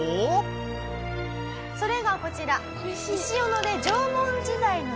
それがこちら。